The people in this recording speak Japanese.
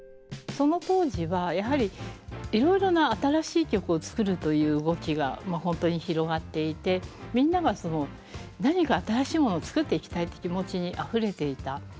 その当時はやはりいろいろな新しい曲を作るという動きが本当に広がっていてみんながその何か新しいものを作っていきたいって気持ちにあふれていた。